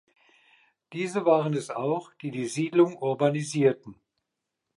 Diese waren es auch, die die Siedlung urbanisierten.